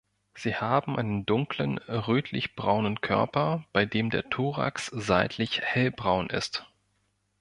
Sie haben einen dunkel rötlichbraunen Körper, bei dem der Thorax seitlich hellbraun ist.